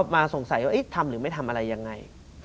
มาสงสัยว่าทำหรือไม่ทำอะไรยังไง